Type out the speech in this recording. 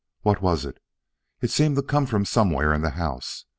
What was it? It seemed to come from somewhere in the house.